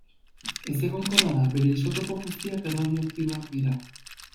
Ezegonkorra da; bere isotopo guztiak erradioaktiboak dira.